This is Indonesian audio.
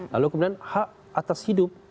lalu kemudian hak atas hidup